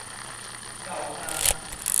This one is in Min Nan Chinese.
到今